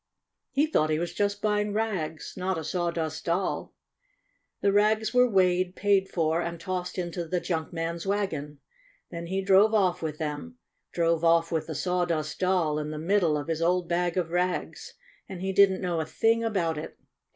He thought he was just buying rags — not a Sawdust Doll. The rags were weighed, paid for, and tossed into the junk man's wagon. Then he drove off with them — drove off with the Sawdust Doll in the middle of his old bag of rags, and he didn't know a thing about it!